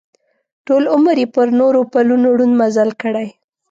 ټول عمر یې پر نورو پلونو ړوند مزل کړی.